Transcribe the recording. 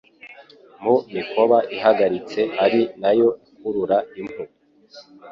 mu mikoba ihagaritse ari nayo ikurura impu